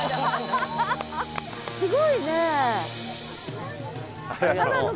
すごいね。